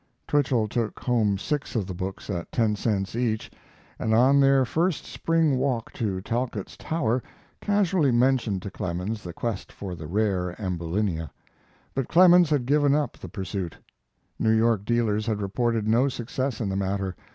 Twichell took home six of the books at ten cents each, and on their first spring walk to Talcott's Tower casually mentioned to Clemens the quest for the rare Ambulinia. But Clemens had given up the pursuit. New York dealers had reported no success in the matter.